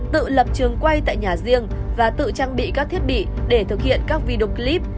tự lập trường quay tại nhà riêng và tự trang bị các thiết bị để thực hiện các video clip